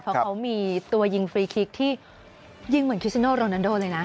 เพราะเขามีตัวยิงฟรีคลิกที่ยิงเหมือนคิซิโนโรนาโดเลยนะ